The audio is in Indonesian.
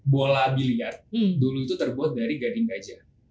bola biliar dulu itu terbuat dari gading gajah